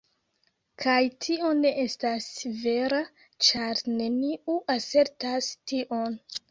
Kaj tio ne estas vera, ĉar neniu asertas tion.